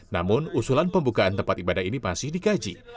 namun usulan pembukaan tempat ibadah ini masih dikaji